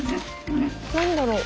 何だろう？